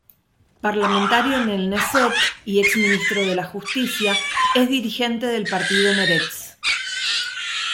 Parlamentario en el Knesset y ex-ministro de la Justicia, es dirigente del partido Meretz.